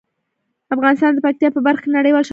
افغانستان د پکتیا په برخه کې نړیوال شهرت لري.